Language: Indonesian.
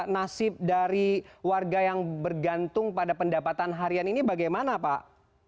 nasib dari warga yang bergantung pada pendapatan harian ini bagaimana pak